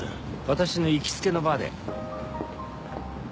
私の行きつけのバーで。